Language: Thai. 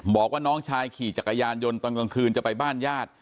บอกว่าน้องชายขี่จักรยานยนต์ตอนกลางคืนจะไปบ้านญาติ